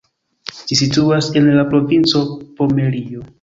Ĝi situas en la provinco Pomerio.